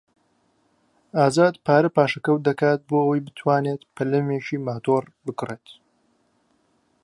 ئازاد پارە پاشەکەوت دەکات بۆ ئەوەی بتوانێت بەلەمێکی ماتۆڕ بکڕێت.